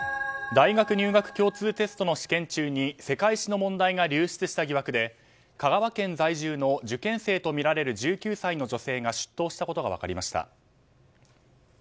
大学入学共通テストの試験中に世界史の問題が流出した疑惑で香川県在住の受験生とみられる１９歳の女性が出頭したことが分かりました。